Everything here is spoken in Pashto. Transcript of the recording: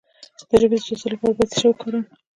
د ژبې د سوځیدو لپاره باید څه شی وکاروم؟